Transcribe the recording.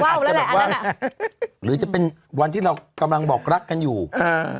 อาจจะบอกว่าหรือจะเป็นวันที่เรากำลังบอกรักกันอยู่อ่า